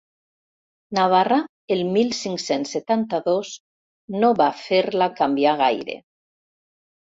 Navarra el mil cinc-cents setanta-dos no va fer-la canviar gaire.